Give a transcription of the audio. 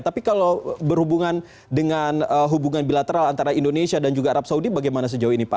tapi kalau berhubungan dengan hubungan bilateral antara indonesia dan juga arab saudi bagaimana sejauh ini pak